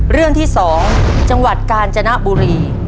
เรื่องที่๒จังหวัดกาญจนบุรี